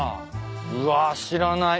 うわ知らない。